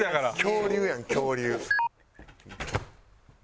恐竜やん恐竜。